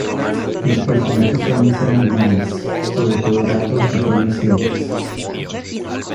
Los personajes suelen ser animales, sobre todo gatos, ratones y ocas.